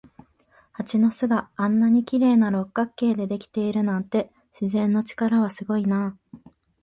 蜂の巣があんなに綺麗な六角形でできているなんて、自然の力はすごいなあ。